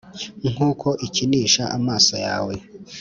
nkuko ikinisha amaso yawe,